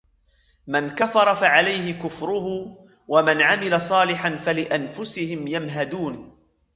مَنْ كَفَرَ فَعَلَيْهِ كُفْرُهُ وَمَنْ عَمِلَ صَالِحًا فَلِأَنْفُسِهِمْ يَمْهَدُونَ